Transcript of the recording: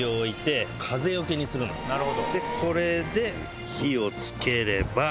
これで火を付ければ。